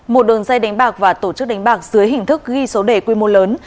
một đường dây đánh bạc và tổ chức đánh bạc dưới hình thức ghi số đề quy mô lớn